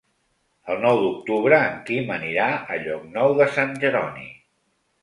El nou d'octubre en Quim anirà a Llocnou de Sant Jeroni.